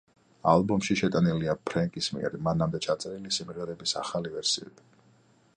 ალბომში შეტანილია ფრენკის მიერ მანამდე ჩაწერილი სიმღერების ახალი ვერსიები.